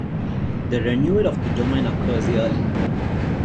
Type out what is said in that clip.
The renewal of the domain occurs yearly.